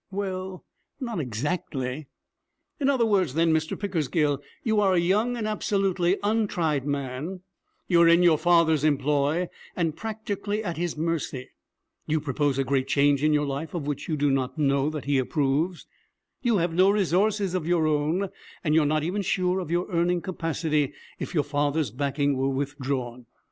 'Well, not exactly.' 'In other words, then, Mr. Pickersgill, you are a young and absolutely untried man; you are in your father's employ and practically at his mercy; you propose a great change in your life of which you do not know that he approves; you have no resources of your own, and you are not even sure of your earning capacity if your father's backing were withdrawn.